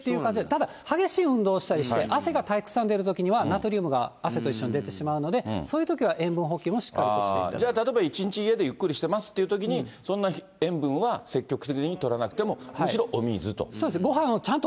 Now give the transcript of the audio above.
ただ、激しい運動をしたりして、汗がたくさん出るときには、ナトリウムが汗と一緒に出てしまうので、そういうときは塩分補給じゃあ、例えば一日家でゆっくりしてますっていうときに、そんな塩分は積極的にとらなくても、むしろお水と。